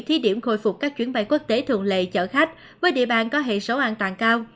thí điểm khôi phục các chuyến bay quốc tế thường lệ chở khách với địa bàn có hệ số an toàn cao